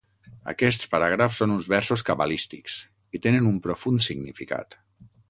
Aquests paràgrafs són uns versos cabalístics, i tenen un profund significat.